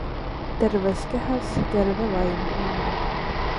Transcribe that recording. Terves kehas terve vaim.